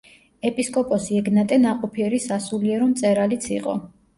ეპისკოპოსი ეგნატე ნაყოფიერი სასულიერო მწერალიც იყო.